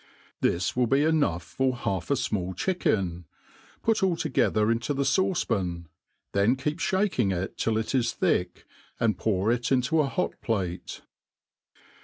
This will. be enough , for half a fmail chicken. Put all together into the faUce pan ;' then keep ihaking it till it is thick, and pour it into a hot ^late.